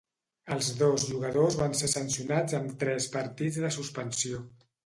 Els dos jugadors van ser sancionats amb tres partits de suspensió.